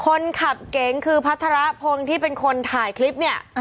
คนขับเก๋งคือพัทรพงศ์ที่เป็นคนถ่ายคลิปเนี่ย